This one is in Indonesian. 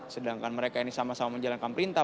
sedangkan mereka ini sama sama menjalankan perintah